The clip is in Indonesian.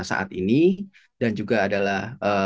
saat ini dan juga adalah